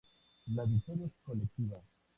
La victoria era colectiva.